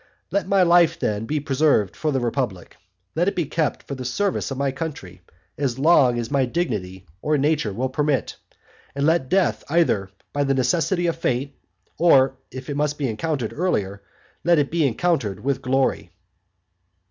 Let my life then be preserved for the republic, let it be kept for the service of my country as long as my dignity or nature will permit; and let death either be the necessity of fate, or, if it must be encountered earlier, let it be encountered with glory.